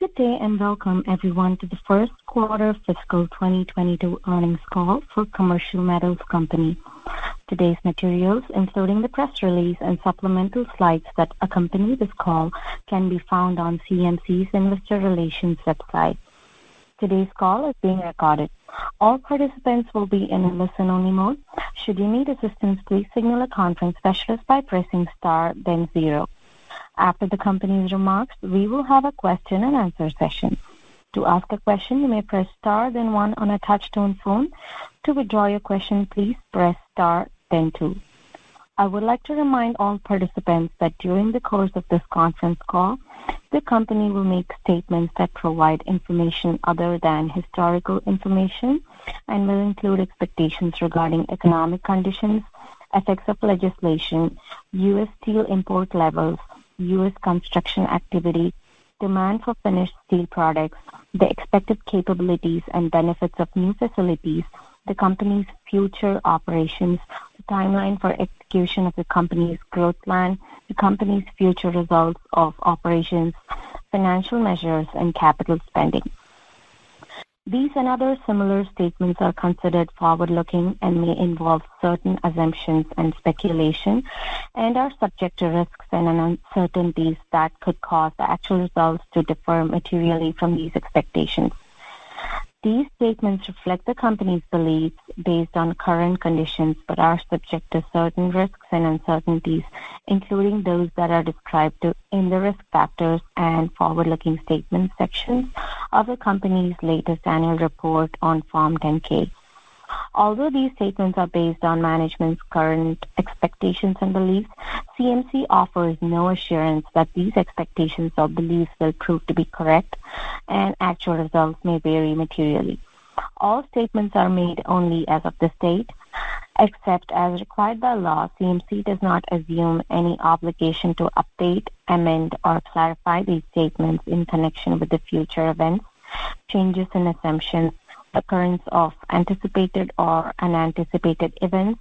Good day and welcome everyone to the first quarter fiscal 2022 earnings call for Commercial Metals Company. Today's materials, including the press release and supplemental slides that accompany this call, can be found on CMC's Investor Relations website. Today's call is being recorded. All participants will be in a listen-only mode. Should you need assistance, please signal a conference specialist by pressing star then zero. After the company's remarks, we will have a question-and-answer session. To ask a question, you may press star then one on a touch-tone phone. To withdraw your question, please press star then two. I would like to remind all participants that during the course of this conference call, the company will make statements that provide information other than historical information and will include expectations regarding economic conditions, effects of legislation, U.S. steel import levels, U.S. construction activity, demand for finished steel products, the expected capabilities and benefits of new facilities, the company's future operations, the timeline for execution of the company's growth plan, the company's future results of operations, financial measures, and capital spending. These other similar statements are considered forward-looking and may involve certain assumptions and speculation, and are subject to risks and uncertainties that could cause the actual results to differ materially from these expectations. These statements reflect the company's beliefs based on current conditions, but are subject to certain risks and uncertainties, including those that are described in the Risk Factors and Forward-Looking Statements sections of the company's latest annual report on Form 10-K. Although these statements are based on management's current expectations and beliefs, CMC offers no assurance that these expectations or beliefs will prove to be correct, and actual results may vary materially. All statements are made only as of this date. Except as required by law, CMC does not assume any obligation to update, amend, or clarify these statements in connection with the future events, changes in assumptions, occurrence of anticipated or unanticipated events,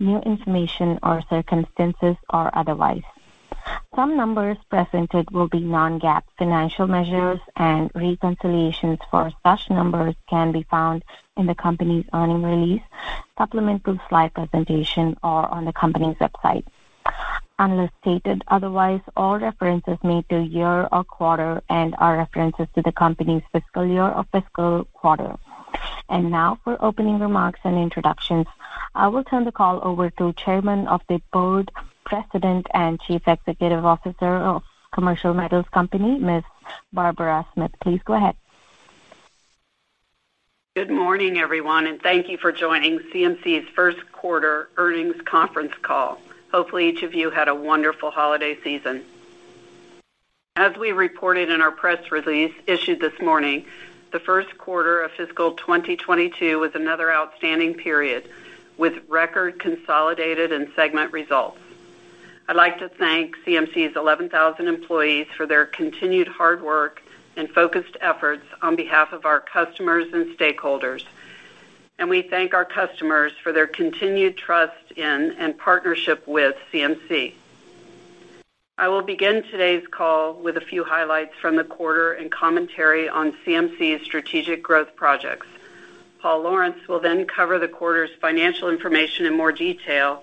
new information or circumstances or otherwise. Some numbers presented will be non-GAAP financial measures, and reconciliations for such numbers can be found in the company's earnings release, supplemental slide presentation, or on the company's website. Unless stated otherwise, all references made to the year or quarter, and are references to the company's fiscal year or fiscal quarter. Now for opening remarks and introductions, I will turn the call over to Chairman of the Board, President, and Chief Executive Officer of Commercial Metals Company, Ms. Barbara Smith. Please go ahead. Good morning, everyone, and thank you for joining CMC's first quarter earnings conference call. Hopefully, each of you had a wonderful holiday season. As we reported in our press release issued this morning, the first quarter of fiscal 2022 was another outstanding period with record consolidated and segment results. I'd like to thank CMC's 11,000 employees for their continued hard work and focused efforts on behalf of our customers and stakeholders. We thank our customers for their continued trust in and partnership with CMC. I will begin today's call with a few highlights from the quarter and commentary on CMC's strategic growth projects. Paul Lawrence will then cover the quarter's financial information in more detail,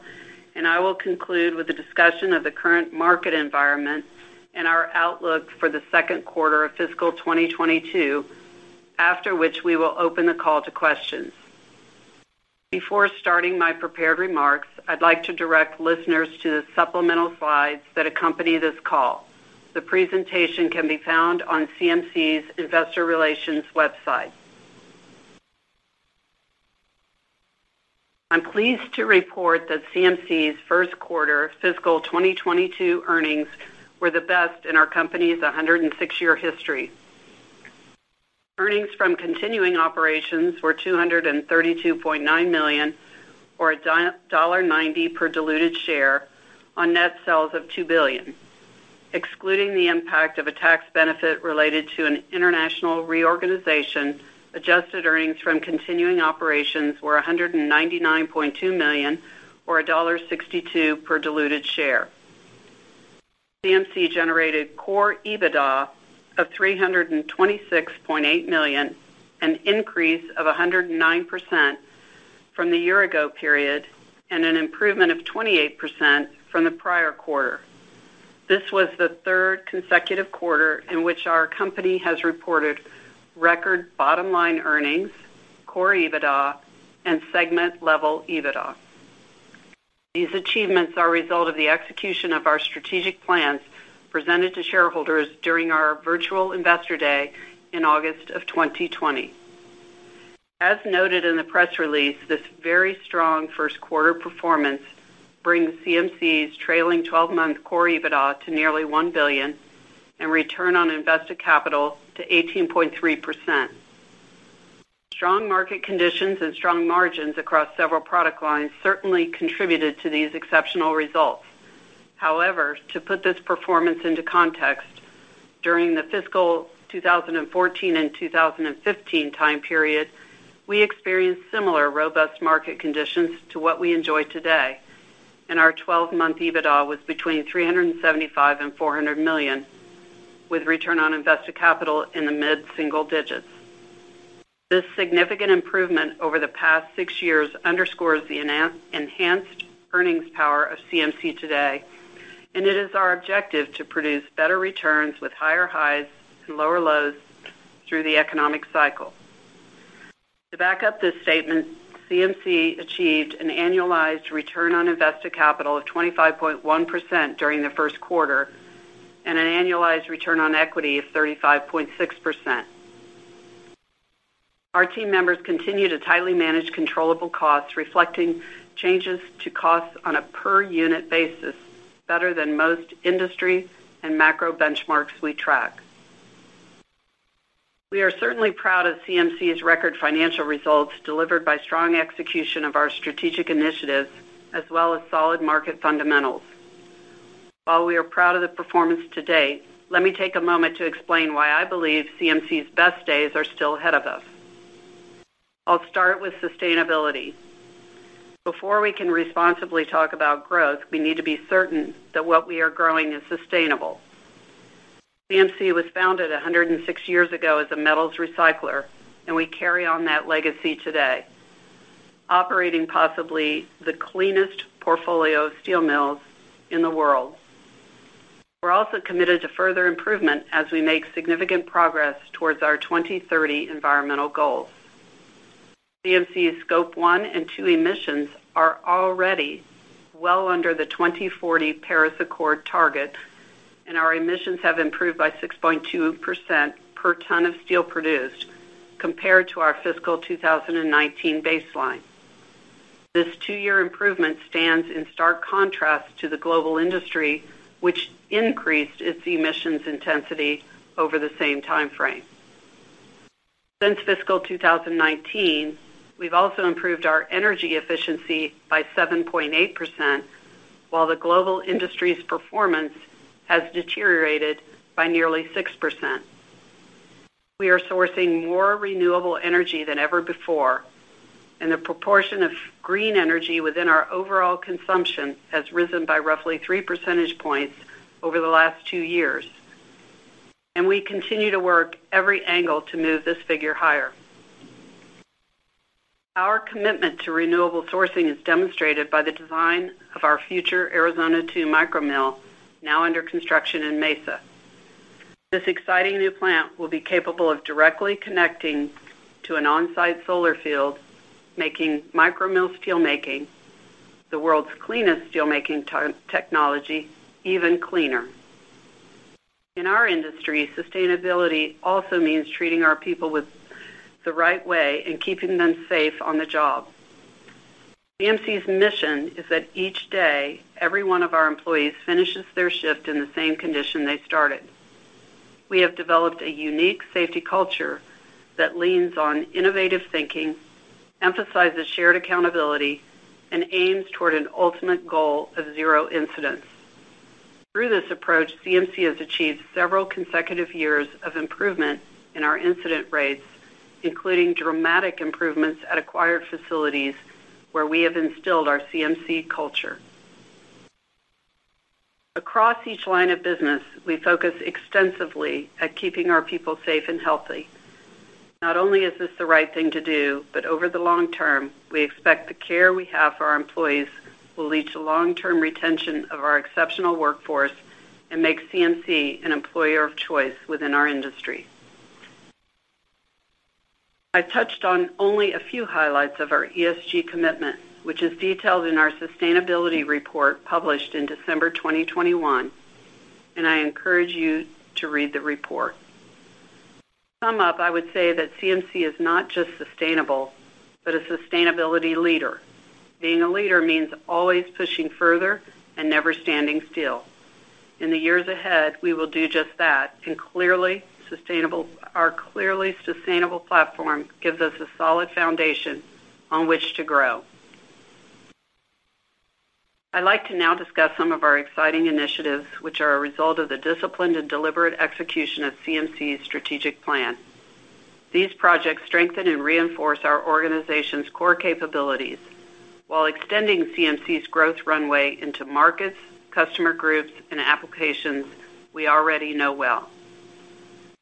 and I will conclude with a discussion of the current market environment and our outlook for the second quarter of fiscal 2022. After which, we will open the call to questions. Before starting my prepared remarks, I'd like to direct listeners to the supplemental slides that accompany this call. The presentation can be found on CMC's Investor Relations website. I'm pleased to report that CMC's first quarter fiscal 2022 earnings were the best in our company's 106-year history. Earnings from continuing operations were $232.9 million or $1.90 per diluted share on net sales of $2 billion. Excluding the impact of a tax benefit related to an international reorganization, adjusted earnings from continuing operations were $199.2 million or $1.62 per diluted share. CMC generated core EBITDA of $326.8 million, an increase of 109% from the year ago period, and an improvement of 28% from the prior quarter. This was the third consecutive quarter in which our company has reported record bottom line earnings, core EBITDA, and segment-level EBITDA. These achievements are a result of the execution of our strategic plans presented to shareholders during our virtual Investor Day in August 2020. As noted in the press release, this very strong first quarter performance brings CMC's trailing twelve-month core EBITDA to nearly $1 billion and return on invested capital to 18.3%. Strong market conditions and strong margins across several product lines certainly contributed to these exceptional results. However, to put this performance into context, during the fiscal 2014 and 2015 time period, we experienced similar robust market conditions to what we enjoy today. Our twelve-month EBITDA was between $375 million and $400 million, with return on invested capital in the mid-single digits. This significant improvement over the past six years underscores the enhanced earnings power of CMC today, and it is our objective to produce better returns with higher highs and lower lows through the economic cycle. To back up this statement, CMC achieved an annualized return on invested capital of 25.1% during the first quarter and an annualized return on equity of 35.6%. Our team members continue to tightly manage controllable costs, reflecting changes to costs on a per-unit basis better than most industry and macro benchmarks we track. We are certainly proud of CMC's record financial results delivered by strong execution of our strategic initiatives as well as solid market fundamentals. While we are proud of the performance to date, let me take a moment to explain why I believe CMC's best days are still ahead of us. I'll start with sustainability. Before we can responsibly talk about growth, we need to be certain that what we are growing is sustainable. CMC was founded 106 years ago as a metals recycler, and we carry on that legacy today, operating possibly the cleanest portfolio of steel mills in the world. We're also committed to further improvement as we make significant progress towards our 2030 environmental goals. CMC's Scope 1 and 2 emissions are already well under the 2040 Paris Agreement target, and our emissions have improved by 6.2% per ton of steel produced compared to our fiscal 2019 baseline. This two-year improvement stands in stark contrast to the global industry, which increased its emissions intensity over the same timeframe. Since fiscal 2019, we've also improved our energy efficiency by 7.8%, while the global industry's performance has deteriorated by nearly 6%. We are sourcing more renewable energy than ever before, and the proportion of green energy within our overall consumption has risen by roughly 3 percentage points over the last two years, and we continue to work every angle to move this figure higher. Our commitment to renewable sourcing is demonstrated by the design of our future Arizona 2 micro mill now under construction in Mesa. This exciting new plant will be capable of directly connecting to an on-site solar field, making micro mill steelmaking, the world's cleanest steelmaking technology, even cleaner. In our industry, sustainability also means treating our people with the right way and keeping them safe on the job. CMC's mission is that each day, every one of our employees finishes their shift in the same condition they started. We have developed a unique safety culture that leans on innovative thinking, emphasizes shared accountability, and aims toward an ultimate goal of zero incidents. Through this approach, CMC has achieved several consecutive years of improvement in our incident rates, including dramatic improvements at acquired facilities where we have instilled our CMC culture. Across each line of business, we focus extensively at keeping our people safe and healthy. Not only is this the right thing to do, but over the long term, we expect the care we have for our employees will lead to long-term retention of our exceptional workforce and make CMC an employer of choice within our industry. I touched on only a few highlights of our ESG commitment, which is detailed in our sustainability report published in December 2021, and I encourage you to read the report. To sum up, I would say that CMC is not just sustainable, but a sustainability leader. Being a leader means always pushing further and never standing still. In the years ahead, we will do just that. Our clearly sustainable platform gives us a solid foundation on which to grow. I'd like to now discuss some of our exciting initiatives, which are a result of the disciplined and deliberate execution of CMC's strategic plan. These projects strengthen and reinforce our organization's core capabilities while extending CMC's growth runway into markets, customer groups, and applications we already know well.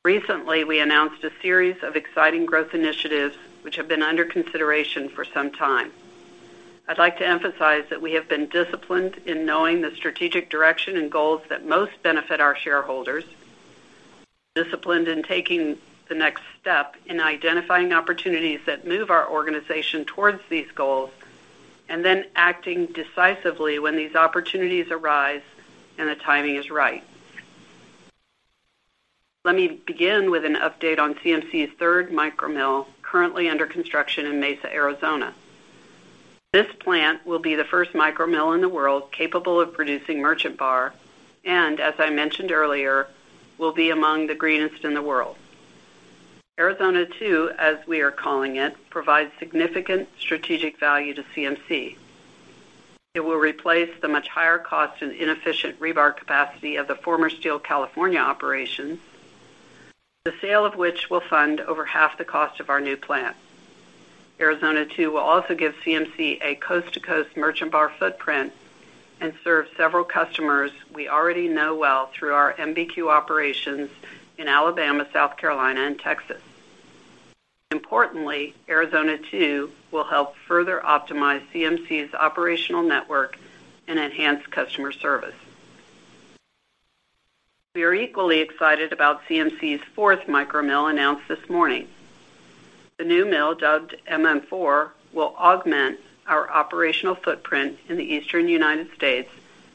Recently, we announced a series of exciting growth initiatives which have been under consideration for some time. I'd like to emphasize that we have been disciplined in knowing the strategic direction and goals that most benefit our shareholders, disciplined in taking the next step in identifying opportunities that move our organization towards these goals, and then acting decisively when these opportunities arise and the timing is right. Let me begin with an update on CMC's third micro mill currently under construction in Mesa, Arizona. This plant will be the first micro mill in the world capable of producing merchant bar and, as I mentioned earlier, will be among the greenest in the world. Arizona 2, as we are calling it, provides significant strategic value to CMC. It will replace the much higher cost and inefficient rebar capacity of the former Steel California operation. The sale of which will fund over half the cost of our new plant. Arizona 2 will also give CMC a coast-to-coast merchant bar footprint and serve several customers we already know well through our MBQ operations in Alabama, South Carolina and Texas. Importantly, Arizona 2 will help further optimize CMC's operational network and enhance customer service. We are equally excited about CMC's fourth micro mill announced this morning. The new mill, dubbed MM4, will augment our operational footprint in the eastern United States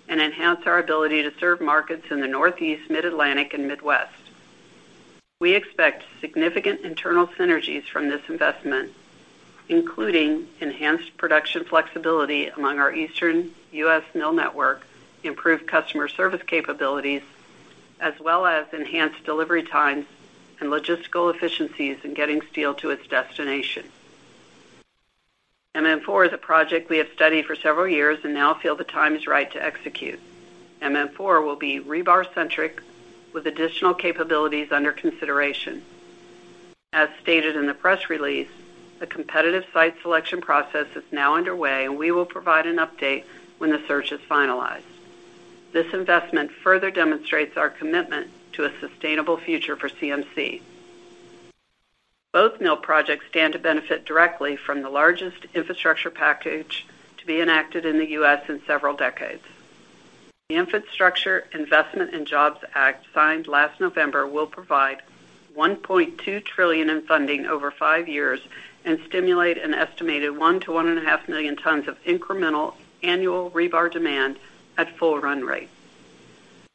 and enhance our ability to serve markets in the Northeast, Mid-Atlantic and Midwest. We expect significant internal synergies from this investment, including enhanced production flexibility among our eastern U.S. mill network, improved customer service capabilities, as well as enhanced delivery times and logistical efficiencies in getting steel to its destination. MM4 is a project we have studied for several years and now feel the time is right to execute. MM4 will be rebar centric with additional capabilities under consideration. As stated in the press release, the competitive site selection process is now underway and we will provide an update when the search is finalized. This investment further demonstrates our commitment to a sustainable future for CMC. Both mill projects stand to benefit directly from the largest infrastructure package to be enacted in the U.S. in several decades. The Infrastructure Investment and Jobs Act, signed last November, will provide $1.2 trillion in funding over five years and stimulate an estimated 1 million-1.5 million tons of incremental annual rebar demand at full run rate.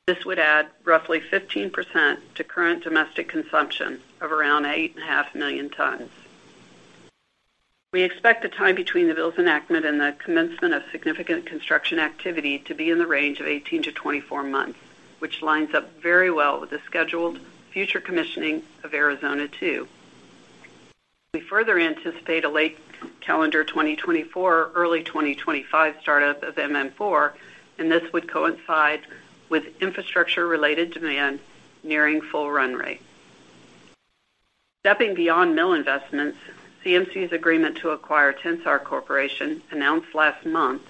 This would add roughly 15% to current domestic consumption of around 8.5 million tons. We expect the time between the bill's enactment and the commencement of significant construction activity to be in the range of 18-24 months, which lines up very well with the scheduled future commissioning of Arizona 2. We further anticipate a late calendar 2024, early 2025 startup of MM4, and this would coincide with infrastructure-related demand nearing full run rate. Stepping beyond mill investments, CMC's agreement to acquire Tensar Corporation, announced last month,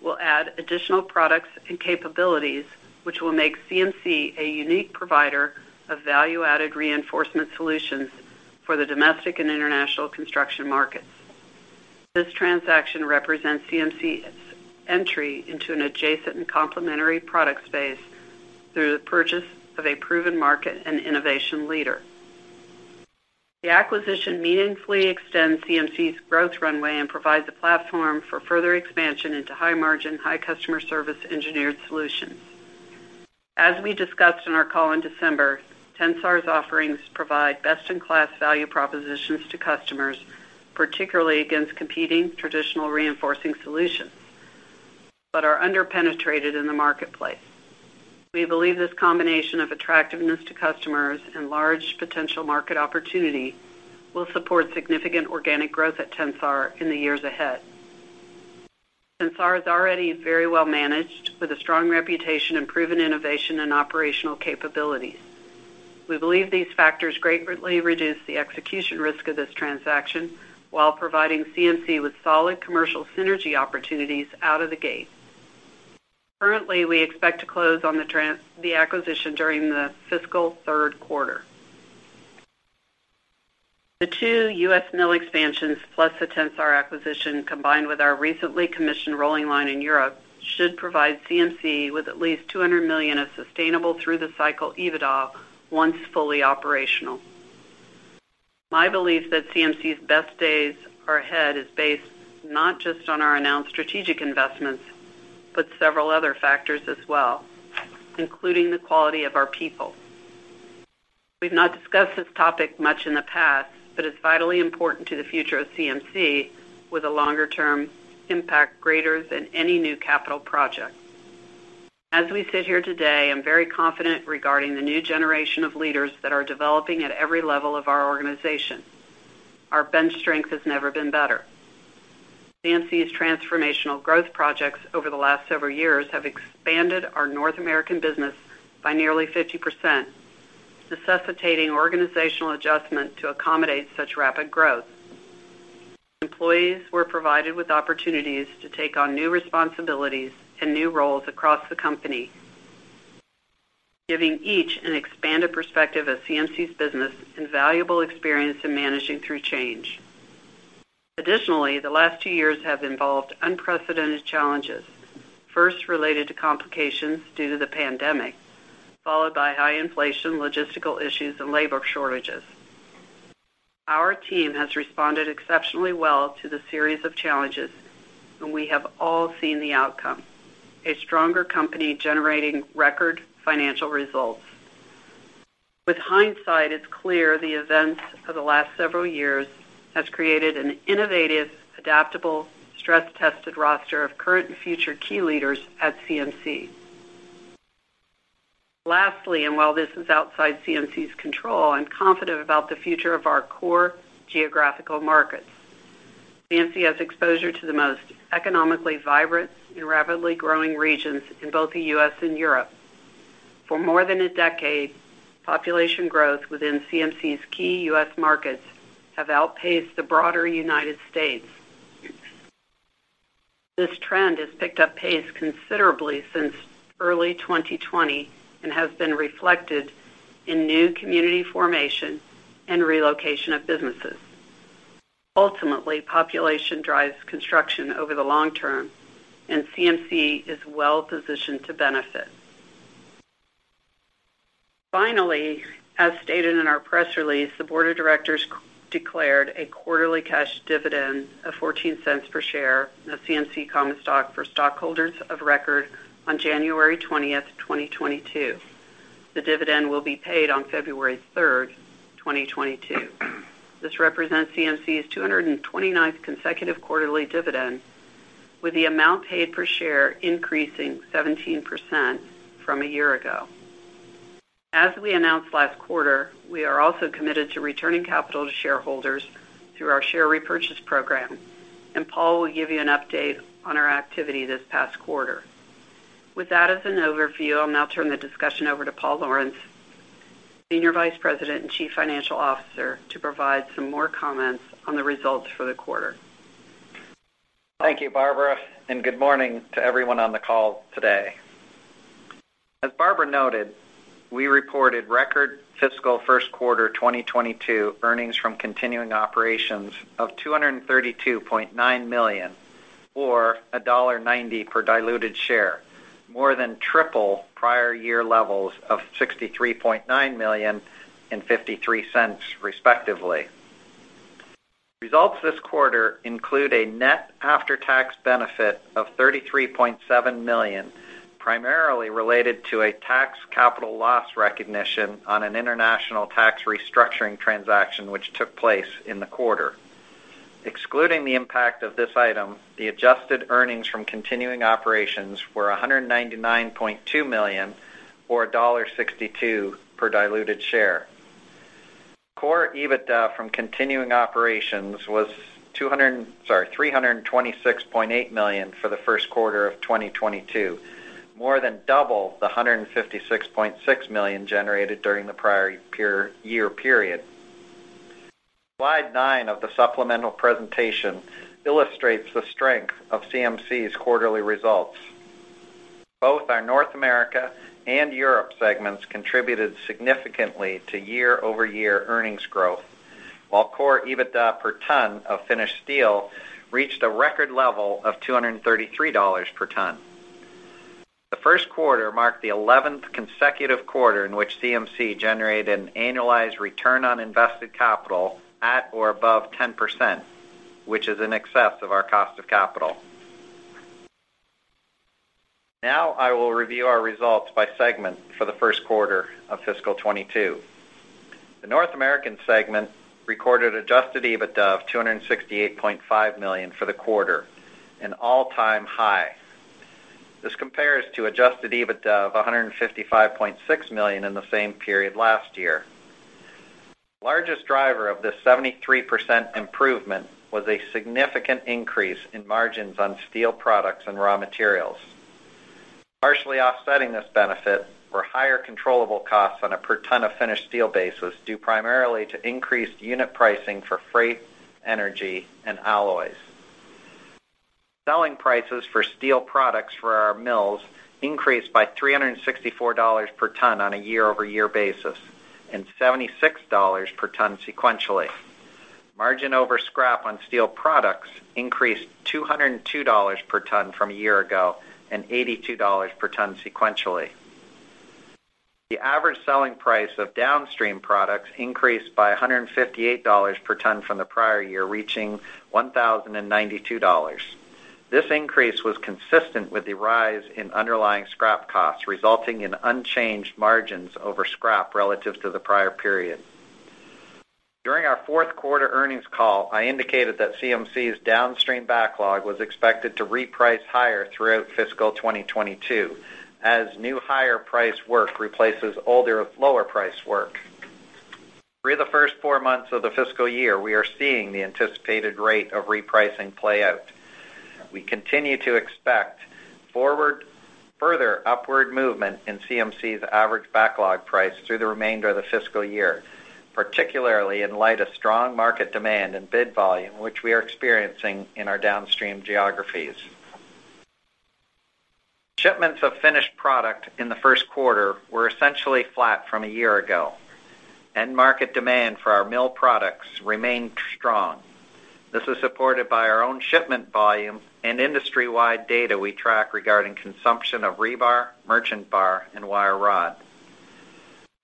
will add additional products and capabilities, which will make CMC a unique provider of value-added reinforcement solutions for the domestic and international construction markets. This transaction represents CMC's entry into an adjacent and complementary product space through the purchase of a proven market and innovation leader. The acquisition meaningfully extends CMC's growth runway and provides a platform for further expansion into high-margin, high-customer-service engineered solutions. As we discussed in our call in December, Tensar's offerings provide best-in-class value propositions to customers, particularly against competing traditional reinforcing solutions, but are under-penetrated in the marketplace. We believe this combination of attractiveness to customers and large potential market opportunity will support significant organic growth at Tensar in the years ahead. Tensar is already very well managed with a strong reputation in proven innovation and operational capabilities. We believe these factors greatly reduce the execution risk of this transaction while providing CMC with solid commercial synergy opportunities out of the gate. Currently, we expect to close on the acquisition during the fiscal third quarter. The two U.S. mill expansions, plus the Tensar acquisition, combined with our recently commissioned rolling line in Europe, should provide CMC with at least $200 million of sustainable through the cycle EBITDA once fully operational. My belief that CMC's best days are ahead is based not just on our announced strategic investments, but several other factors as well, including the quality of our people. We've not discussed this topic much in the past, but it's vitally important to the future of CMC with a longer-term impact greater than any new capital project. As we sit here today, I'm very confident regarding the new generation of leaders that are developing at every level of our organization. Our bench strength has never been better. CMC's transformational growth projects over the last several years have expanded our North American business by nearly 50%, necessitating organizational adjustment to accommodate such rapid growth. Employees were provided with opportunities to take on new responsibilities and new roles across the company, giving each an expanded perspective of CMC's business and valuable experience in managing through change. Additionally, the last two years have involved unprecedented challenges, first related to complications due to the pandemic, followed by high inflation, logistical issues and labor shortages. Our team has responded exceptionally well to the series of challenges, and we have all seen the outcome, a stronger company generating record financial results. With hindsight, it's clear the events of the last several years has created an innovative, adaptable, stress-tested roster of current and future key leaders at CMC. Lastly, and while this is outside CMC's control, I'm confident about the future of our core geographical markets. CMC has exposure to the most economically vibrant and rapidly growing regions in both the U.S. and Europe. For more than a decade, population growth within CMC's key U.S. markets have outpaced the broader United States. This trend has picked up pace considerably since early 2020 and has been reflected in new community formation and relocation of businesses. Ultimately, population drives construction over the long term, and CMC is well-positioned to benefit. Finally, as stated in our press release, the board of directors declared a quarterly cash dividend of $0.14 per share of CMC common stock for stockholders of record on January 20, 2022. The dividend will be paid on February 3, 2022. This represents CMC's 229th consecutive quarterly dividend, with the amount paid per share increasing 17% from a year ago. As we announced last quarter, we are also committed to returning capital to shareholders through our share repurchase program, and Paul will give you an update on our activity this past quarter. With that as an overview, I'll now turn the discussion over to Paul Lawrence, Senior Vice President and Chief Financial Officer, to provide some more comments on the results for the quarter. Thank you, Barbara, and good morning to everyone on the call today. As Barbara noted, we reported record fiscal first quarter 2022 earnings from continuing operations of $232.9 million, or $1.90 per diluted share, more than triple prior year levels of $63.9 million and $0.53, respectively. Results this quarter include a net after-tax benefit of $33.7 million, primarily related to the tax capital loss recognition on an international tax restructuring transaction, which took place in the quarter. Excluding the impact of this item, the adjusted earnings from continuing operations were $199.2 million or $1.62 per diluted share. Core EBITDA from continuing operations was $326.8 million for the first quarter of 2022, more than double the $156.6 million generated during the prior year period. Slide 9 of the supplemental presentation illustrates the strength of CMC's quarterly results. Both our North America and Europe segments contributed significantly to year-over-year earnings growth, while core EBITDA per ton of finished steel reached a record level of $233 per ton. The first quarter marked the eleventh consecutive quarter in which CMC generated an annualized return on invested capital at or above 10%, which is in excess of our cost of capital. Now I will review our results by segment for the first quarter of fiscal 2022. The North America segment recorded adjusted EBITDA of $268.5 million for the quarter, an all-time high. This compares to adjusted EBITDA of $155.6 million in the same period last year. Largest driver of this 73% improvement was a significant increase in margins on steel products and raw materials. Partially offsetting this benefit were higher controllable costs on a per ton of finished steel basis, due primarily to increased unit pricing for freight, energy, and alloys. Selling prices for steel products for our mills increased by $364 per ton on a year-over-year basis and $76 per ton sequentially. Margin over scrap on steel products increased $202 per ton from a year ago and $82 per ton sequentially. The average selling price of downstream products increased by $158 per ton from the prior year, reaching $1,092. This increase was consistent with the rise in underlying scrap costs, resulting in unchanged margins over scrap relative to the prior period. During our fourth quarter earnings call, I indicated that CMC's downstream backlog was expected to reprice higher throughout fiscal 2022 as new higher-priced work replaces older lower-priced work. Through the first four months of the fiscal year, we are seeing the anticipated rate of repricing play out. We continue to expect further upward movement in CMC's average backlog price through the remainder of the fiscal year, particularly in light of strong market demand and bid volume, which we are experiencing in our downstream geographies. Shipments of finished product in the first quarter were essentially flat from a year ago, and market demand for our mill products remained strong. This is supported by our own shipment volume and industry-wide data we track regarding consumption of rebar, merchant bar, and wire rod.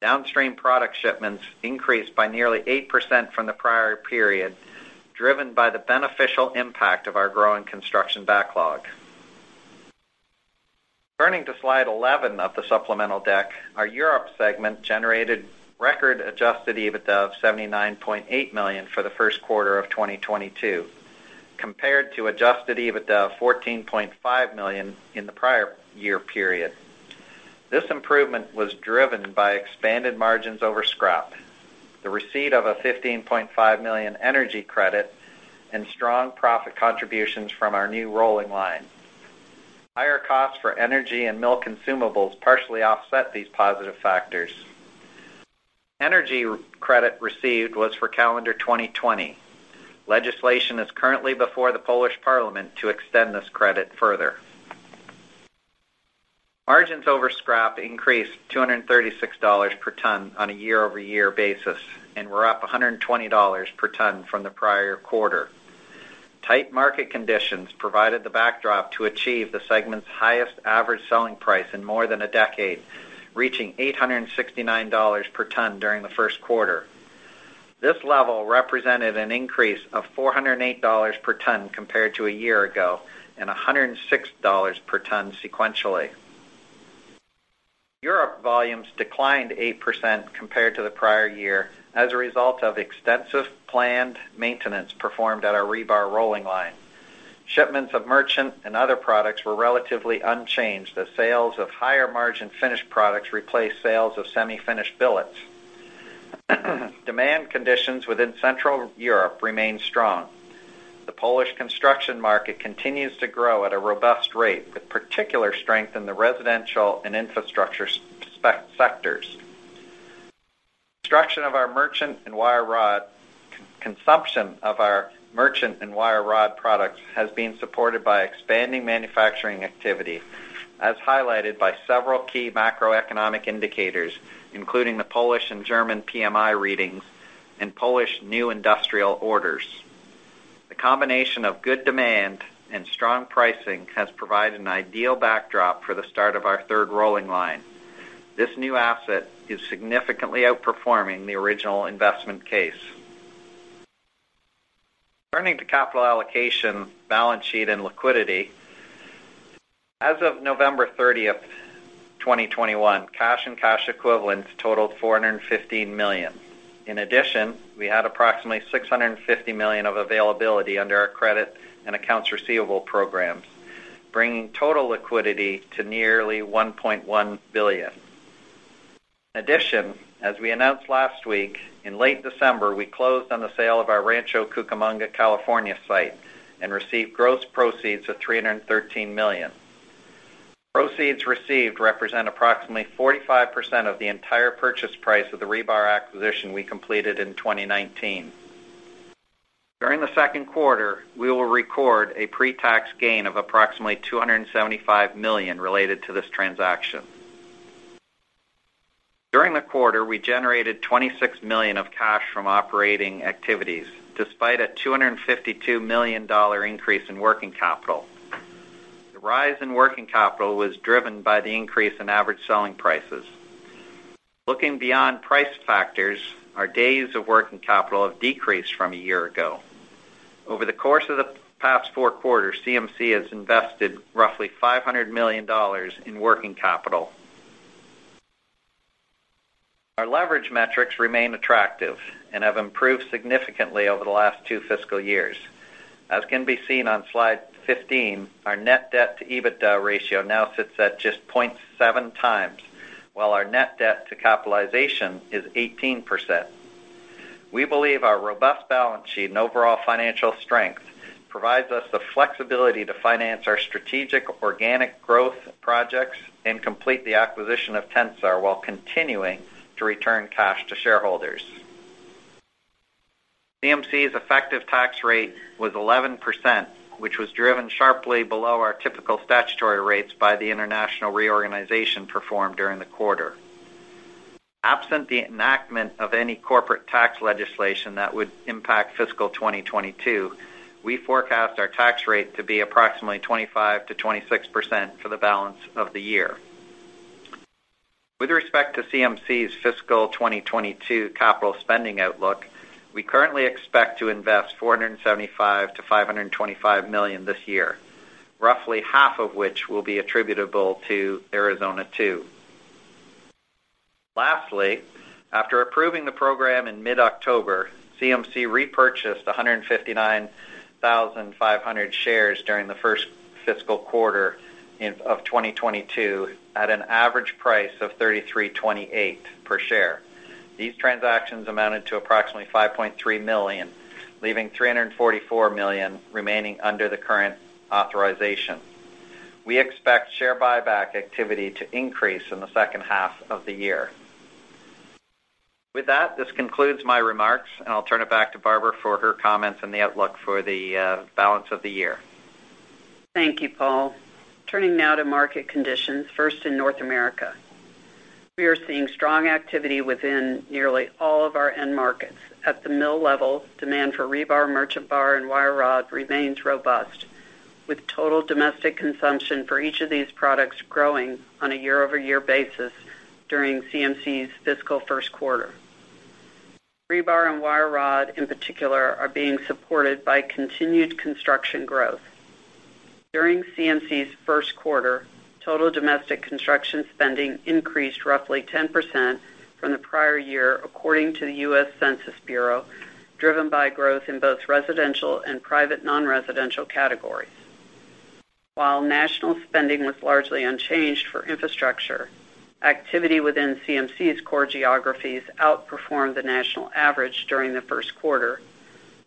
Downstream product shipments increased by nearly 8% from the prior period, driven by the beneficial impact of our growing construction backlog. Turning to slide 11 of the supplemental deck, our Europe segment generated record adjusted EBITDA of $79.8 million for the first quarter of 2022, compared to adjusted EBITDA of $14.5 million in the prior year period. This improvement was driven by expanded margins over scrap, the receipt of a $15.5 million energy credit, and strong profit contributions from our new rolling line. Higher costs for energy and mill consumables partially offset these positive factors. Energy tax credit received was for calendar 2020. Legislation is currently before the Polish parliament to extend this credit further. Margins over scrap increased $236 per ton on a year-over-year basis and were up $120 per ton from the prior quarter. Tight market conditions provided the backdrop to achieve the segment's highest average selling price in more than a decade, reaching $869 per ton during the first quarter. This level represented an increase of $408 per ton compared to a year ago and $106 per ton sequentially. Europe volumes declined 8% compared to the prior year as a result of extensive planned maintenance performed at our rebar rolling line. Shipments of merchant and other products were relatively unchanged as sales of higher-margin finished products replaced sales of semi-finished billets. Demand conditions within Central Europe remain strong. The Polish construction market continues to grow at a robust rate, with particular strength in the residential and infrastructure sectors. Consumption of our merchant and wire rod products has been supported by expanding manufacturing activity, as highlighted by several key macroeconomic indicators, including the Polish and German PMI readings and Polish new industrial orders. The combination of good demand and strong pricing has provided an ideal backdrop for the start of our third rolling line. This new asset is significantly outperforming the original investment case. Turning to capital allocation, balance sheet, and liquidity, as of November 30, 2021, cash and cash equivalents totaled $415 million. In addition, we had approximately $650 million of availability under our credit and accounts receivable programs, bringing total liquidity to nearly $1.1 billion. In addition, as we announced last week, in late December, we closed on the sale of our Rancho Cucamonga, California site and received gross proceeds of $313 million. Proceeds received represent approximately 45% of the entire purchase price of the rebar acquisition we completed in 2019. During the second quarter, we will record a pretax gain of approximately $275 million related to this transaction. During the quarter, we generated $26 million of cash from operating activities, despite a $252 million increase in working capital. The rise in working capital was driven by the increase in average selling prices. Looking beyond price factors, our days of working capital have decreased from a year ago. Over the course of the past four quarters, CMC has invested roughly $500 million in working capital. Our leverage metrics remain attractive and have improved significantly over the last two fiscal years. As can be seen on slide 15, our net debt-to-EBITDA ratio now sits at just 0.7x, while our net debt to capitalization is 18%. We believe our robust balance sheet and overall financial strength provides us the flexibility to finance our strategic organic growth projects and complete the acquisition of Tensar while continuing to return cash to shareholders. CMC's effective tax rate was 11%, which was driven sharply below our typical statutory rates by the international reorganization performed during the quarter. Absent the enactment of any corporate tax legislation that would impact fiscal 2022, we forecast our tax rate to be approximately 25%-26% for the balance of the year. With respect to CMC's fiscal 2022 capital spending outlook, we currently expect to invest $475 million-$525 million this year, roughly half of which will be attributable to Arizona 2. Lastly, after approving the program in mid-October, CMC repurchased 159,500 shares during the first fiscal quarter of 2022 at an average price of $33.28 per share. These transactions amounted to approximately $5.3 million, leaving $344 million remaining under the current authorization. We expect share buyback activity to increase in the second half of the year. With that, this concludes my remarks, and I'll turn it back to Barbara for her comments on the outlook for the balance of the year. Thank you, Paul. Turning now to market conditions, first in North America. We are seeing strong activity within nearly all of our end markets. At the mill level, demand for rebar, merchant bar, and wire rod remains robust, with total domestic consumption for each of these products growing on a year-over-year basis during CMC's fiscal first quarter. Rebar and wire rod, in particular, are being supported by continued construction growth. During CMC's first quarter, total domestic construction spending increased roughly 10% from the prior year, according to the U.S. Census Bureau, driven by growth in both residential and private non-residential categories. While national spending was largely unchanged for infrastructure, activity within CMC's core geographies outperformed the national average during the first quarter,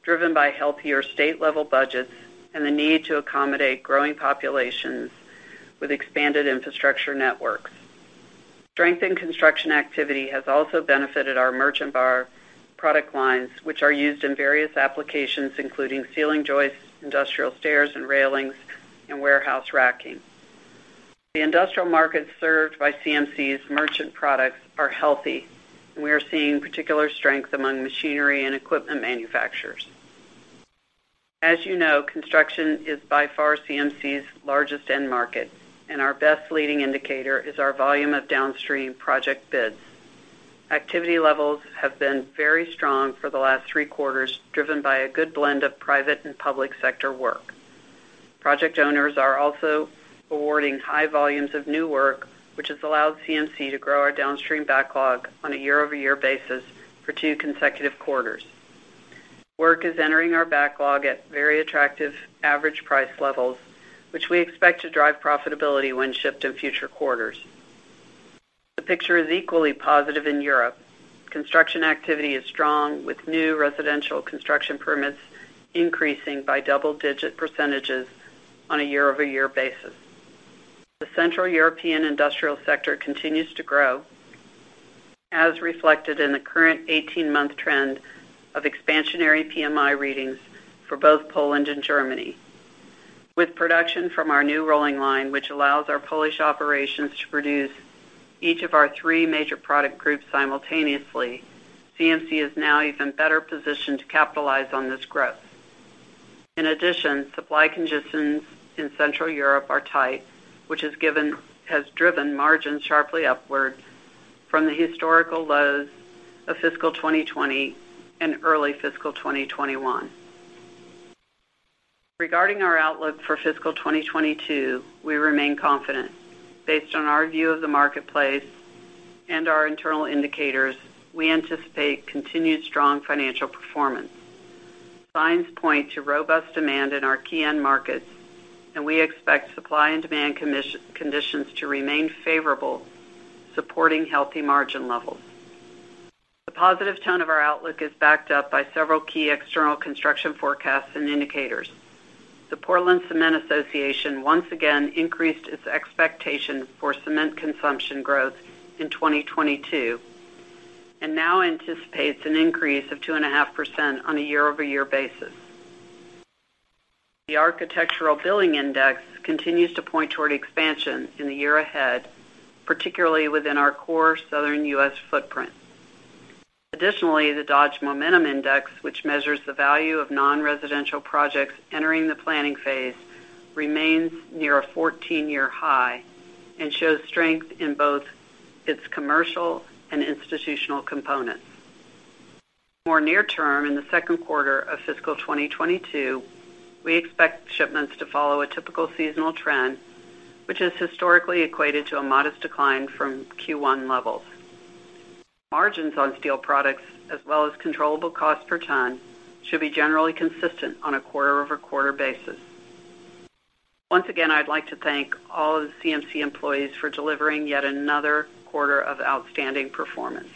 driven by healthier state-level budgets and the need to accommodate growing populations with expanded infrastructure networks. Strength in construction activity has also benefited our merchant bar product lines, which are used in various applications including ceiling joists, industrial stairs and railings, and warehouse racking. The industrial markets served by CMC's merchant products are healthy, and we are seeing particular strength among machinery and equipment manufacturers. As you know, construction is by far CMC's largest end market, and our best leading indicator is our volume of downstream project bids. Activity levels have been very strong for the last three quarters, driven by a good blend of private and public sector work. Project owners are also awarding high volumes of new work, which has allowed CMC to grow our downstream backlog on a year-over-year basis for two consecutive quarters. Work is entering our backlog at very attractive average price levels, which we expect to drive profitability when shipped in future quarters. The picture is equally positive in Europe. Construction activity is strong, with new residential construction permits increasing by double-digit percentages on a year-over-year basis. The Central European industrial sector continues to grow, as reflected in the current 18-month trend of expansionary PMI readings for both Poland and Germany. With production from our new rolling line, which allows our Polish operations to produce each of our three major product groups simultaneously, CMC is now even better positioned to capitalize on this growth. In addition, supply conditions in Central Europe are tight, which has driven margins sharply upward from the historical lows of fiscal 2020 and early fiscal 2021. Regarding our outlook for fiscal 2022, we remain confident. Based on our view of the marketplace and our internal indicators, we anticipate continued strong financial performance. Signs point to robust demand in our key end markets, and we expect supply and demand conditions to remain favorable, supporting healthy margin levels. The positive tone of our outlook is backed up by several key external construction forecasts and indicators. The Portland Cement Association once again increased its expectation for cement consumption growth in 2022, and now anticipates an increase of 2.5% on a year-over-year basis. The Architecture Billings Index continues to point toward expansion in the year ahead, particularly within our core Southern U.S. footprint. Additionally, the Dodge Momentum Index, which measures the value of nonresidential projects entering the planning phase, remains near a 14-year high and shows strength in both its commercial and institutional components. More near term, in the second quarter of fiscal 2022, we expect shipments to follow a typical seasonal trend, which has historically equated to a modest decline from Q1 levels. Margins on steel products, as well as controllable cost per ton, should be generally consistent on a quarter-over-quarter basis. Once again, I'd like to thank all of the CMC employees for delivering yet another quarter of outstanding performance.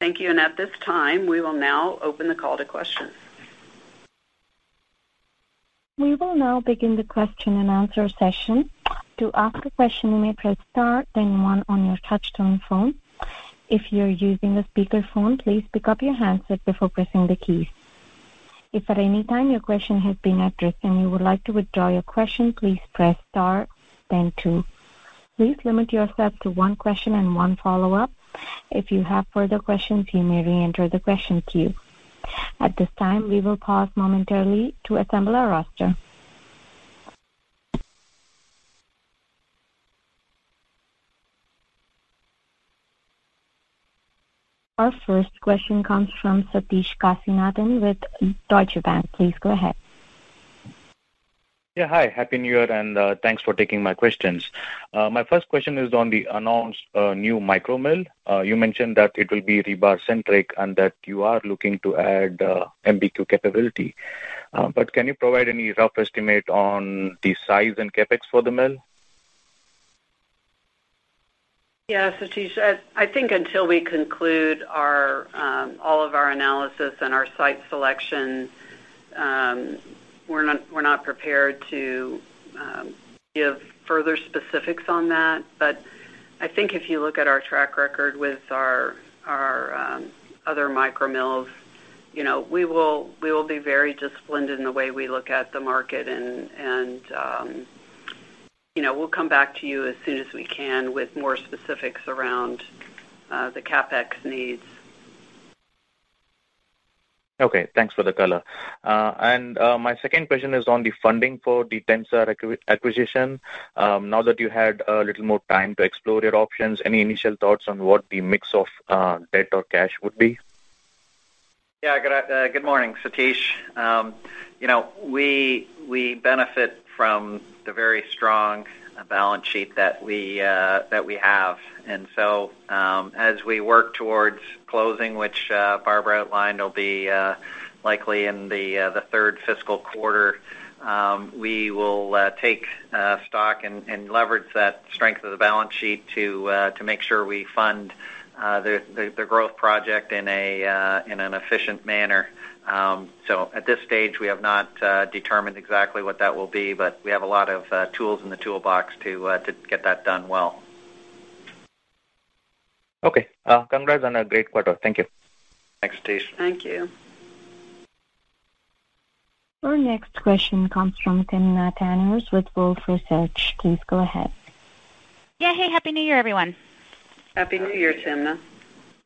Thank you, and at this time, we will now open the call to questions. We will now begin the question and answer session. To ask a question, you may press star then one on your touchtone phone. If you're using a speakerphone, please pick up your handset before pressing the keys. If at any time your question has been addressed, and you would like to withdraw your question, please press star then two. Please limit yourself to one question and one follow-up. If you have further questions, you may reenter the question queue. At this time, we will pause momentarily to assemble our roster. Our first question comes from Sathish Kasinathan with Deutsche Bank. Please go ahead. Yeah, hi. Happy New Year, and thanks for taking my questions. My first question is on the announced new micro mill. You mentioned that it will be rebar centric and that you are looking to add MBQ capability. But can you provide any rough estimate on the size and CapEx for the mill? Yeah. Sathish, I think until we conclude all of our analysis and our site selection, we're not prepared to give further specifics on that. I think if you look at our track record with our other micro mills, you know, we will be very disciplined in the way we look at the market and, you know, we'll come back to you as soon as we can with more specifics around the CapEx needs. Okay, thanks for the color. My second question is on the funding for the Tensar acquisition. Now that you had a little more time to explore your options, any initial thoughts on what the mix of debt or cash would be? Yeah. Good morning, Sathish. You know, we benefit from the very strong balance sheet that we have. As we work towards closing, which Barbara outlined will be likely in the third fiscal quarter, we will take stock and leverage that strength of the balance sheet to make sure we fund the growth project in an efficient manner. At this stage, we have not determined exactly what that will be, but we have a lot of tools in the toolbox to get that done well. Okay. Congrats on a great quarter. Thank you. Thanks, Sathish. Thank you. Our next question comes from Timna Tanners with Wolfe Research. Please go ahead. Yeah. Hey, happy New Year, everyone. Happy New Year, Timna.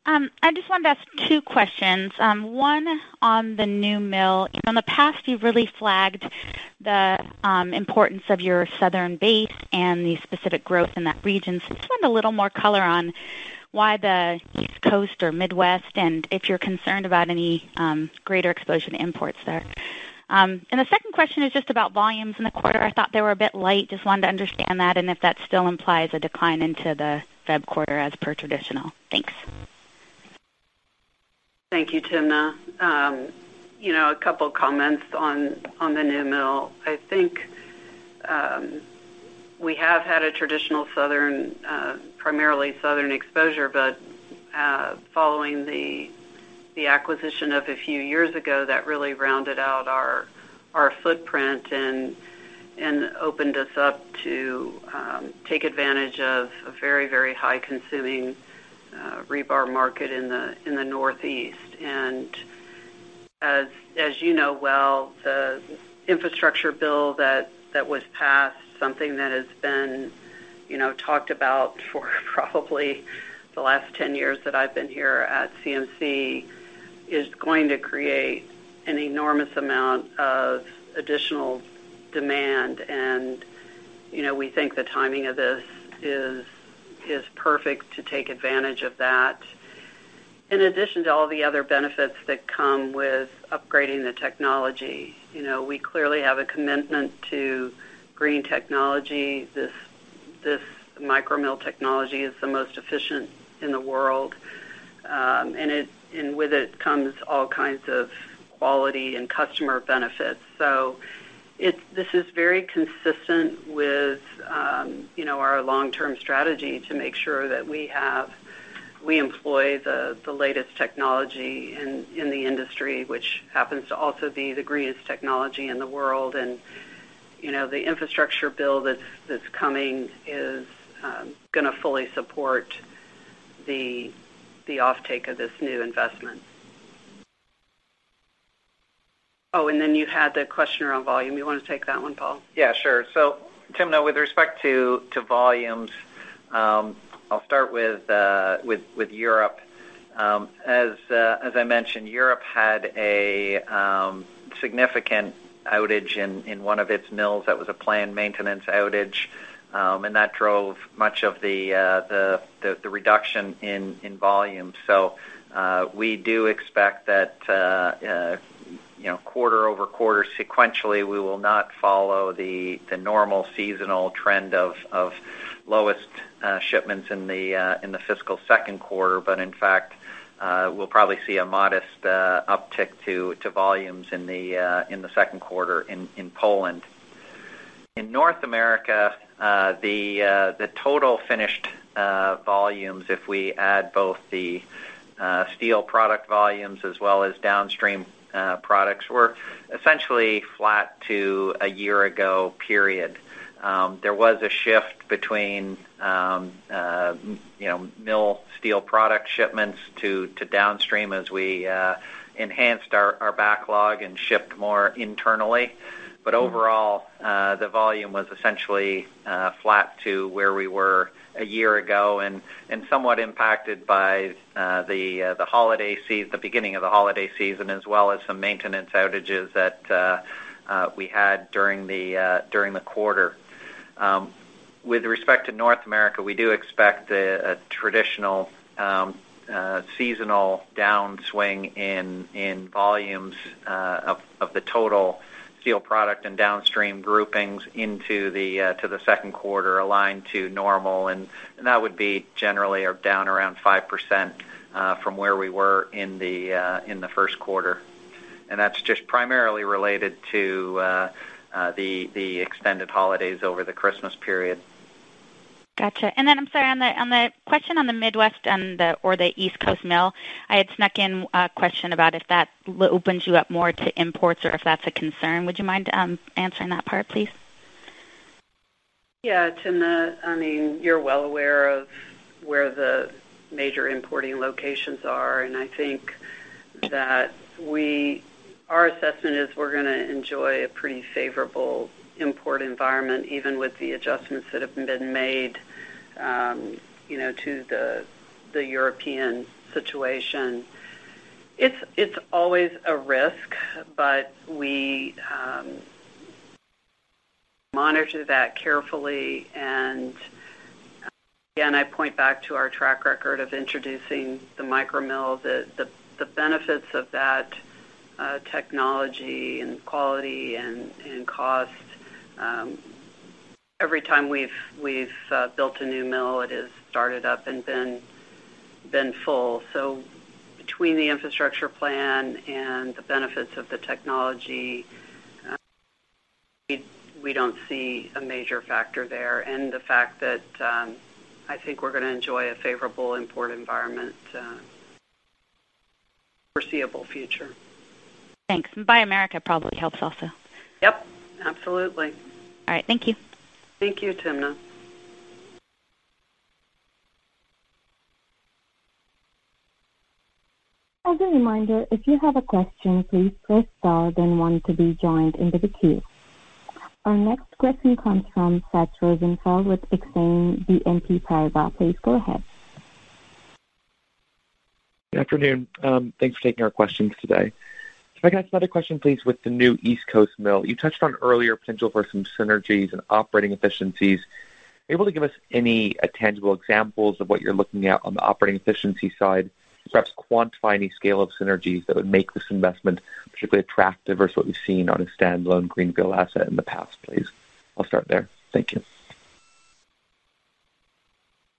I just wanted to ask two questions, one on the new mill. In the past, you've really flagged the importance of your southern base and the specific growth in that region. Just want a little more color on why the East Coast or Midwest, and if you're concerned about any greater exposure to imports there. And the second question is just about volumes in the quarter. I thought they were a bit light. Just wanted to understand that and if that still implies a decline into the Feb quarter as per traditional. Thanks. Thank you, Timna. You know, a couple of comments on the new mill. I think we have had a traditional southern, primarily southern exposure, but following the acquisition of a few years ago, that really rounded out our footprint and opened us up to take advantage of a very high consuming rebar market in the Northeast. As you know well, the infrastructure bill that was passed, something that has been, you know, talked about for probably the last 10 years that I've been here at CMC, is going to create an enormous amount of additional demand. You know, we think the timing of this is perfect to take advantage of that. In addition to all the other benefits that come with upgrading the technology, you know, we clearly have a commitment to green technology. This micro mill technology is the most efficient in the world, and with it comes all kinds of quality and customer benefits. This is very consistent with, you know, our long-term strategy to make sure that we employ the latest technology in the industry, which happens to also be the greenest technology in the world. You know, the infrastructure bill that's coming is gonna fully support the offtake of this new investment. Oh, and then you had the question around volume. You wanna take that one, Paul? Yeah, sure. Timna, with respect to volumes, I'll start with Europe. As I mentioned, Europe had a significant outage in one of its mills. That was a planned maintenance outage, and that drove much of the reduction in volume. We do expect that, you know, quarter-over-quarter sequentially, we will not follow the normal seasonal trend of lowest shipments in the fiscal second quarter. In fact, we'll probably see a modest uptick to volumes in the second quarter in Poland. In North America, the total finished volumes, if we add both the steel product volumes as well as downstream products, were essentially flat to a year ago period. There was a shift between, you know, mill steel product shipments to downstream as we enhanced our backlog and shipped more internally. Overall, the volume was essentially flat to where we were a year ago and somewhat impacted by the beginning of the holiday season, as well as some maintenance outages that we had during the quarter. With respect to North America, we do expect a traditional seasonal downswing in volumes of the total steel product and downstream groupings into the second quarter aligned to normal. That would be generally down around 5% from where we were in the first quarter. That's just primarily related to the extended holidays over the Christmas period. Gotcha. I'm sorry, on the question on the Midwest and the, or the East Coast mill, I had snuck in a question about if that opens you up more to imports or if that's a concern. Would you mind answering that part, please? Yeah. Timna, I mean, you're well aware of where the major importing locations are, and I think that our assessment is we're gonna enjoy a pretty favorable import environment, even with the adjustments that have been made, you know, to the European situation. It's always a risk, but we measure that carefully. I point back to our track record of introducing the micro mill, the benefits of that technology and quality and cost. Every time we've built a new mill, it has started up and been full. Between the infrastructure plan and the benefits of the technology, we don't see a major factor there. The fact that I think we're gonna enjoy a favorable import environment in the foreseeable future. Thanks. Buy America probably helps also. Yep. Absolutely. All right. Thank you. Thank you, Timna. As a reminder, if you have a question, please press star then one to be joined into the queue. Our next question comes from Seth Rosenfeld with BNP Paribas Exane. Please go ahead. Good afternoon. Thanks for taking our questions today. If I can ask another question, please, with the new East Coast mill. You touched on earlier potential for some synergies and operating efficiencies. Are you able to give us any tangible examples of what you're looking at on the operating efficiency side, perhaps quantify any scale of synergies that would make this investment particularly attractive versus what we've seen on a standalone greenfield asset in the past, please? I'll start there. Thank you.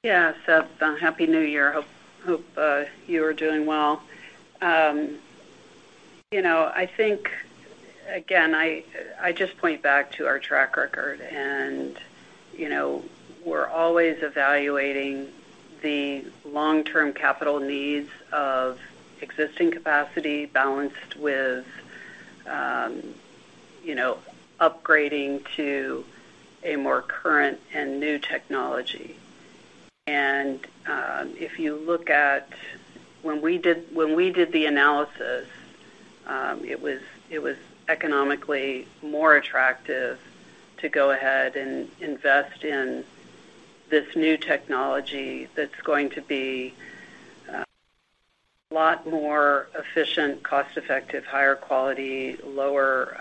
Yeah. Seth, Happy New Year. Hope you are doing well. You know, I think again, I just point back to our track record and you know, we're always evaluating the long-term capital needs of existing capacity balanced with you know, upgrading to a more current and new technology. If you look at when we did the analysis, it was economically more attractive to go ahead and invest in this new technology that's going to be a lot more efficient, cost-effective, higher quality, lower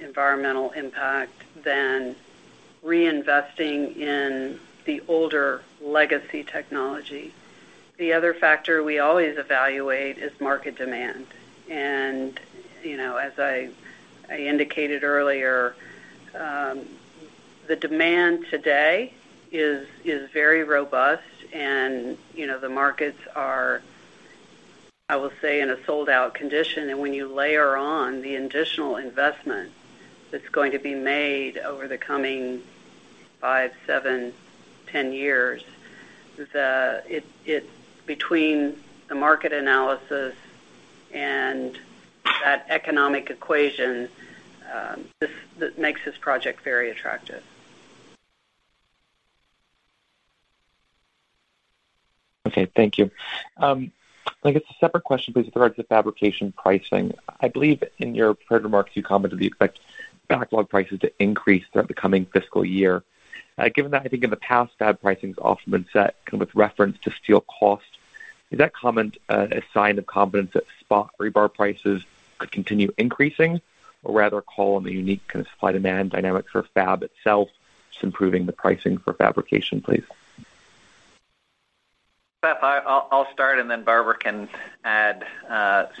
environmental impact than reinvesting in the older legacy technology. The other factor we always evaluate is market demand. You know, as I indicated earlier, the demand today is very robust and you know, the markets are, I will say, in a sold-out condition. When you layer on the additional investment that's going to be made over the coming five, seven, 10 years, it's between the market analysis and that economic equation, that makes this project very attractive. Okay. Thank you. I guess a separate question please with regards to fabrication pricing. I believe in your prepared remarks you commented you expect backlog prices to increase throughout the coming fiscal year. Given that I think in the past fab pricing's often been set kind of with reference to steel cost, is that comment a sign of confidence that spot rebar prices could continue increasing, or rather a call on the unique kind of supply demand dynamic for fab itself, just improving the pricing for fabrication, please? Seth, I'll start and then Barbara can add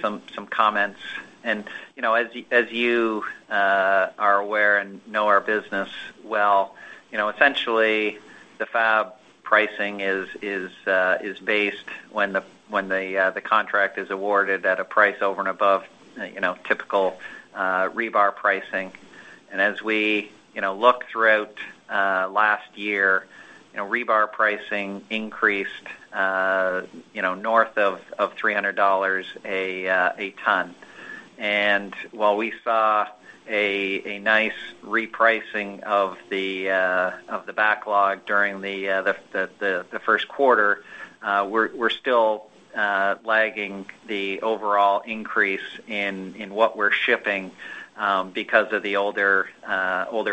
some comments. You know, as you are aware and know our business well, you know, essentially the fab pricing is based when the contract is awarded at a price over and above, you know, typical rebar pricing. As we look throughout last year, you know, rebar pricing increased, you know, north of $300 a ton. While we saw a nice repricing of the backlog during the first quarter, we're still lagging the overall increase in what we're shipping because of the older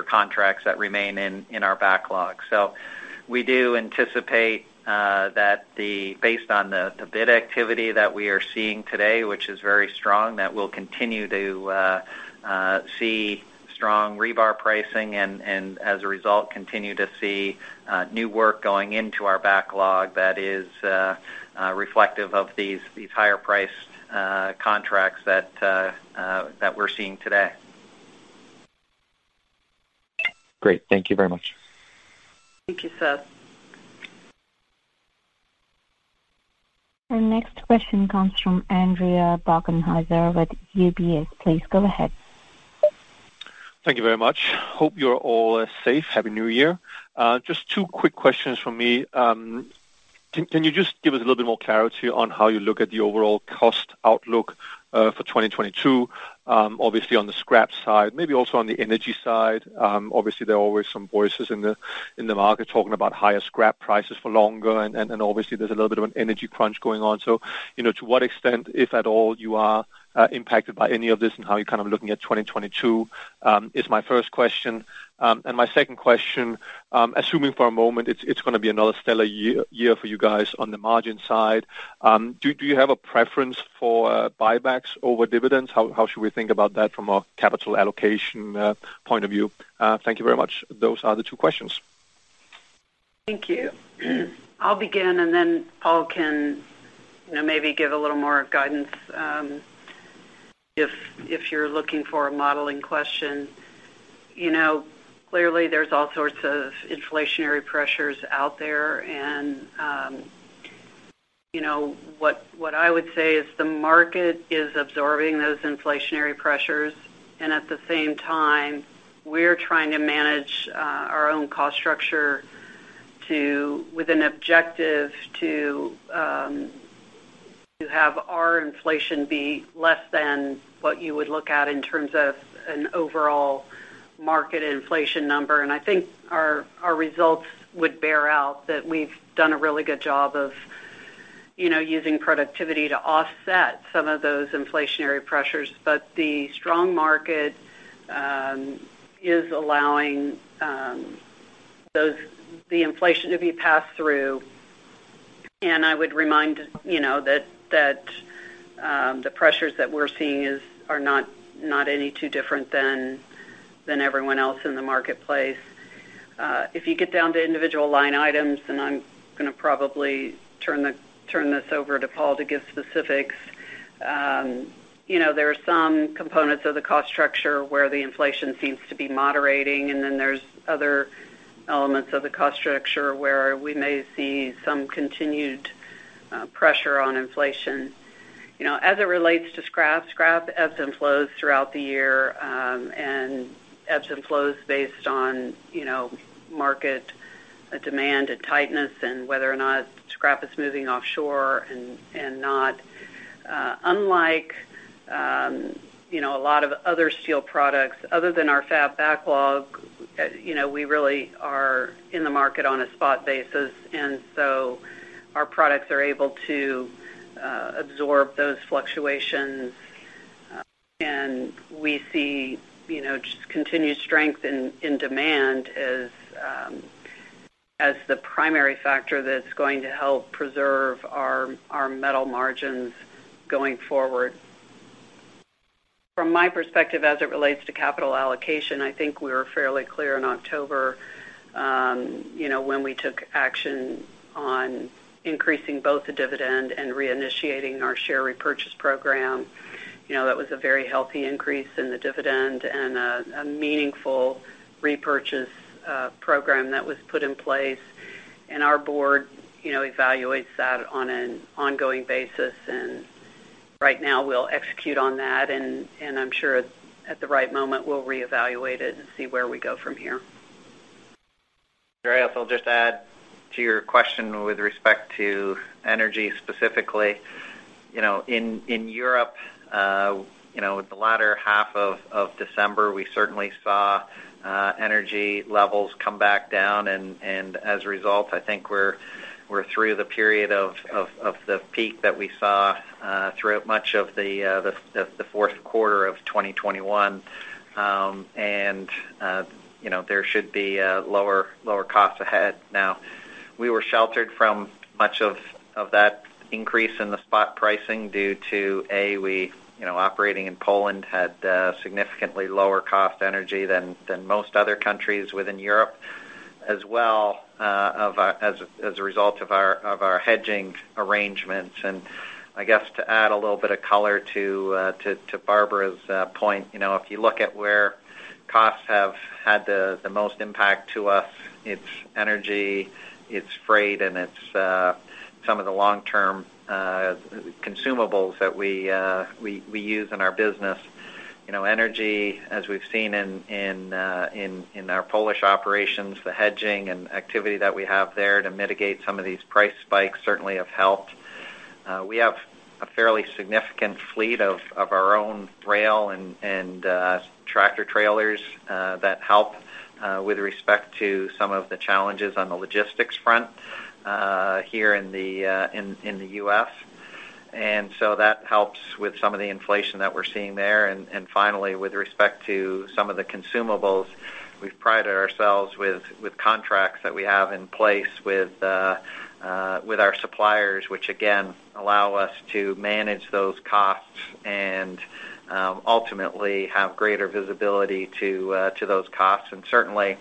contracts that remain in our backlog. We do anticipate that based on the bid activity that we are seeing today, which is very strong, that we'll continue to see strong rebar pricing and as a result continue to see new work going into our backlog that is reflective of these higher priced contracts that we're seeing today. Great. Thank you very much. Thank you, Seth. Our next question comes from Andreas Bokkenheuser with UBS. Please go ahead. Thank you very much. Hope you're all safe. Happy New Year. Just two quick questions from me. Can you just give us a little bit more clarity on how you look at the overall cost outlook for 2022? Obviously on the scrap side, maybe also on the energy side. Obviously there are always some voices in the market talking about higher scrap prices for longer and obviously there's a little bit of an energy crunch going on. You know, to what extent, if at all, you are impacted by any of this and how you're kind of looking at 2022 is my first question. My second question, assuming for a moment it's gonna be another stellar year for you guys on the margin side, do you have a preference for buybacks over dividends? How should we think about that from a capital allocation point of view? Thank you very much. Those are the two questions. Thank you. I'll begin, and then Paul can, you know, maybe give a little more guidance, if you're looking for a modeling question. You know, clearly there's all sorts of inflationary pressures out there and, you know, what I would say is the market is absorbing those inflationary pressures. At the same time, we're trying to manage our own cost structure with an objective to have our inflation be less than what you would look at in terms of an overall market inflation number. I think our results would bear out that we've done a really good job of, you know, using productivity to offset some of those inflationary pressures. The strong market is allowing the inflation to be passed through. I would remind, you know, that the pressures that we're seeing are not any too different than everyone else in the marketplace. If you get down to individual line items, and I'm gonna probably turn this over to Paul to give specifics, you know, there are some components of the cost structure where the inflation seems to be moderating, and then there's other elements of the cost structure where we may see some continued pressure on inflation. You know, as it relates to scrap ebbs and flows throughout the year, and ebbs and flows based on, you know, market demand and tightness and whether or not scrap is moving offshore and not. Unlike, you know, a lot of other steel products other than our fab backlog, you know, we really are in the market on a spot basis, and so our products are able to absorb those fluctuations. We see, you know, just continued strength in demand as the primary factor that's going to help preserve our metal margins going forward. From my perspective, as it relates to capital allocation, I think we were fairly clear in October, you know, when we took action on increasing both the dividend and reinitiating our share repurchase program. You know, that was a very healthy increase in the dividend and a meaningful repurchase program that was put in place. Our board, you know, evaluates that on an ongoing basis. Right now, we'll execute on that, and I'm sure at the right moment we'll reevaluate it and see where we go from here. Sure. I also just add to your question with respect to energy specifically. You know, in Europe, you know, the latter half of December, we certainly saw energy levels come back down. As a result, I think we're through the period of the peak that we saw throughout much of the fourth quarter of 2021. You know, there should be lower costs ahead. Now, we were sheltered from much of that increase in the spot pricing due to a, we, you know, operating in Poland had significantly lower cost energy than most other countries within Europe, as well, as a result of our hedging arrangements. I guess to add a little bit of color to Barbara's point, you know, if you look at where costs have had the most impact to us, it's energy, it's freight, and it's some of the long-term consumables that we use in our business. You know, energy, as we've seen in our Polish operations, the hedging and activity that we have there to mitigate some of these price spikes certainly have helped. We have a fairly significant fleet of our own rail and tractor-trailers that help with respect to some of the challenges on the logistics front here in the U.S. That helps with some of the inflation that we're seeing there. Finally, with respect to some of the consumables, we pride ourselves with contracts that we have in place with our suppliers, which again allow us to manage those costs and ultimately have greater visibility to those costs. Certainly,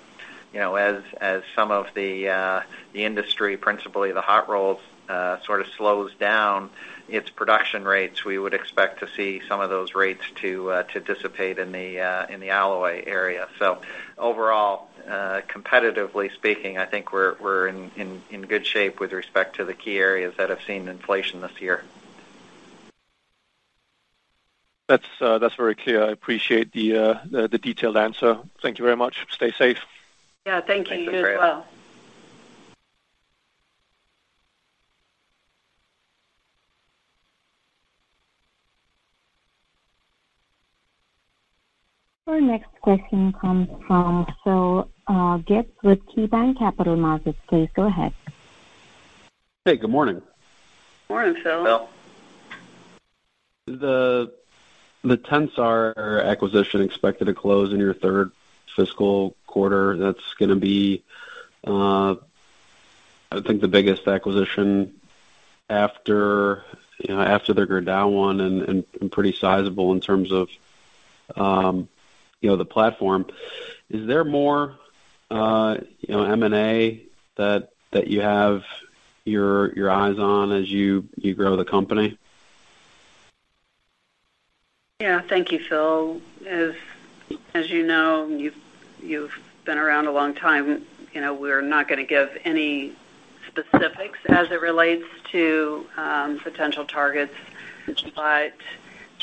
you know, as some of the industry, principally the hot-rolled, sort of slows down its production rates, we would expect to see some of those rates to dissipate in the alloy area. Overall, competitively speaking, I think we're in good shape with respect to the key areas that have seen inflation this year. That's very clear. I appreciate the detailed answer. Thank you very much. Stay safe. Yeah. Thank you as well. Thank you. Our next question comes from Phil Gibbs with KeyBanc Capital Markets. Please go ahead. Hey, good morning. Morning, Phil. Phil. The Tensar acquisition expected to close in your third fiscal quarter, that's gonna be, I think the biggest acquisition. After, you know, after the Gerdau one and pretty sizable in terms of the platform, is there more, you know, M&A that you have your eyes on as you grow the company? Yeah. Thank you, Phil. As you know, you've been around a long time. You know, we're not gonna give any specifics as it relates to potential targets.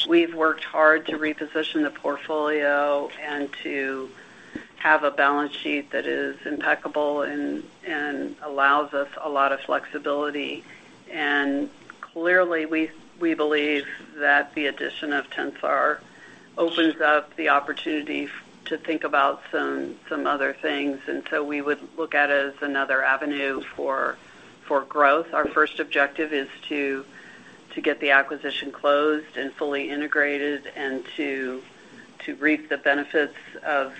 We've worked hard to reposition the portfolio and to have a balance sheet that is impeccable and allows us a lot of flexibility. Clearly, we believe that the addition of Tensar opens up the opportunity to think about some other things. We would look at it as another avenue for growth. Our first objective is to get the acquisition closed and fully integrated and to reap the benefits of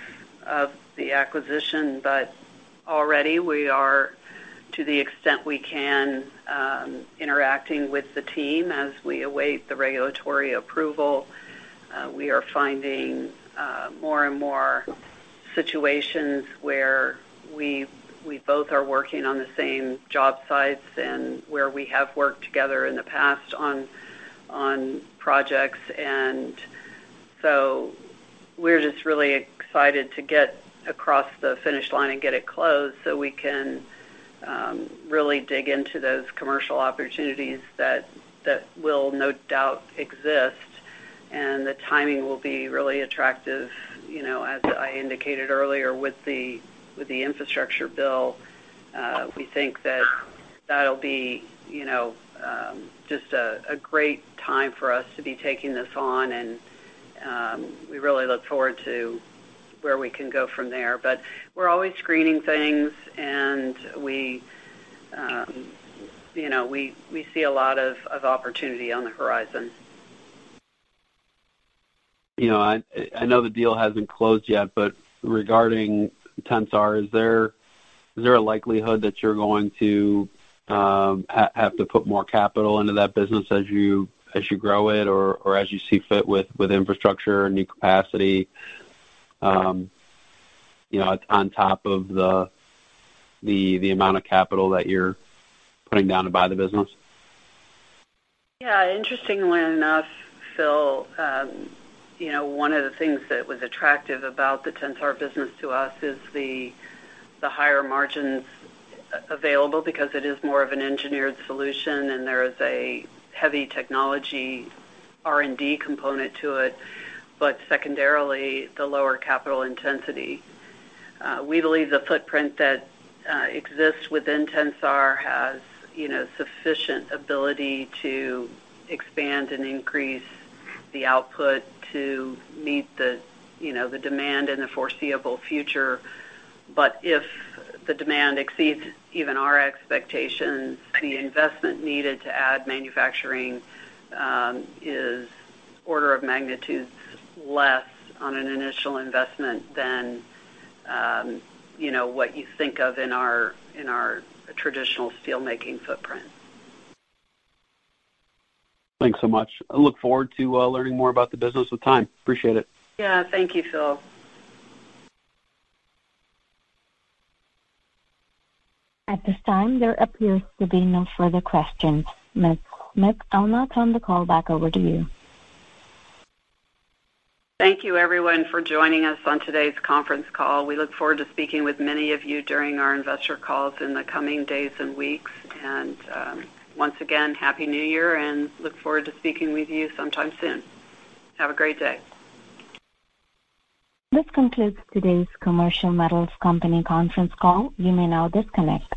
the acquisition. Already we are, to the extent we can, interacting with the team as we await the regulatory approval. We are finding more and more situations where we both are working on the same job sites and where we have worked together in the past on projects. We're just really excited to get across the finish line and get it closed so we can really dig into those commercial opportunities that will no doubt exist. The timing will be really attractive. You know, as I indicated earlier with the infrastructure bill, we think that that'll be you know just a great time for us to be taking this on. We really look forward to where we can go from there. We're always screening things and we you know we see a lot of opportunity on the horizon. You know, I know the deal hasn't closed yet, but regarding Tensar, is there a likelihood that you're going to have to put more capital into that business as you grow it or as you see fit with infrastructure and new capacity, you know, on top of the amount of capital that you're putting down to buy the business? Yeah. Interestingly enough, Phil, you know, one of the things that was attractive about the Tensar business to us is the higher margins available because it is more of an engineered solution, and there is a heavy technology R&D component to it, secondarily, the lower capital intensity. We believe the footprint that exists within Tensar has, you know, sufficient ability to expand and increase the output to meet the, you know, the demand in the foreseeable future. If the demand exceeds even our expectations, the investment needed to add manufacturing is order of magnitude less on an initial investment than, you know, what you think of in our traditional steelmaking footprint. Thanks so much. I look forward to learning more about the business with time. Appreciate it. Yeah. Thank you, Phil. At this time, there appears to be no further questions. Ms. Smith, I'll now turn the call back over to you. Thank you everyone for joining us on today's conference call. We look forward to speaking with many of you during our investor calls in the coming days and weeks. Once again, happy New Year and look forward to speaking with you sometime soon. Have a great day. This concludes today's Commercial Metals Company conference call. You may now disconnect.